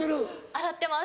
洗ってます。